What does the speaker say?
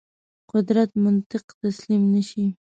قدرت منطق تسلیم نه شي.